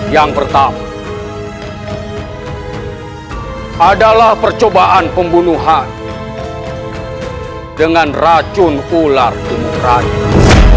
yang pertama adalah percobaan pembunuhan dengan racun ular demokratis